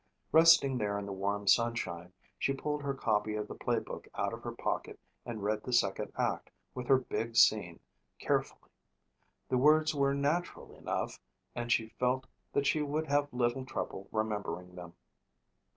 Resting there in the warm sunshine, she pulled her copy of the play book out of her pocket and read the second act, with her big scene, carefully. The words were natural enough and she felt that she would have little trouble remembering them.